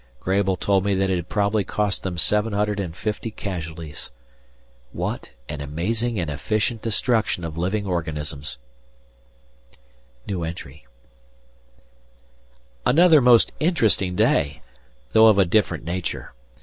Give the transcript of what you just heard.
Grabel told me that it had probably cost them 750 casualties. What an amazing and efficient destruction of living organism! Another most interesting day, though of a different nature.